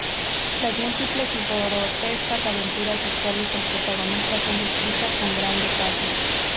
Las múltiples y grotescas aventuras sexuales del protagonista son descritas con gran detalle.